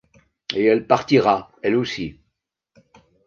Et elle partira, elle aussi.